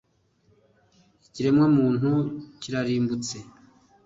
Ikiremwamuntu kirarimbutse